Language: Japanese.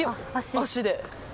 足で。